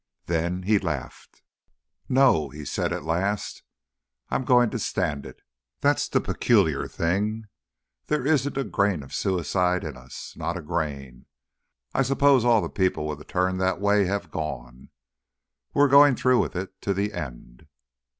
Then he laughed. "No," he said at last, "I'm going to stand it. That's the peculiar thing. There isn't a grain of suicide in us not a grain. I suppose all the people with a turn that way have gone. We're going through with it to the end."